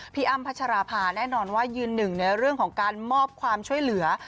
อ้ำพัชราภาแน่นอนว่ายืนหนึ่งในเรื่องของการมอบความช่วยเหลือ